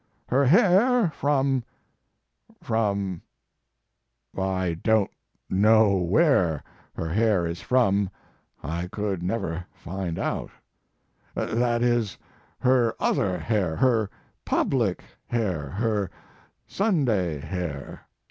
her hair from from I don t know where her hair is from I never could find out. That is her other hair her public hair her Sunday hair.